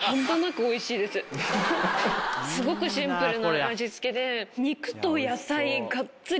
すごくシンプルな味付けで。